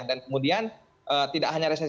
dan kemudian tidak hanya